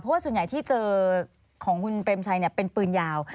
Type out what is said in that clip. เพราะว่าส่วนใหญ่ที่เจอของคุณเปรมชัยเป็นปืนยาว